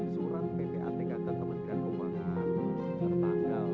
surat ppatk ketemuan dan keuangan